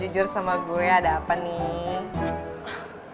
jujur sama gue ada apa nih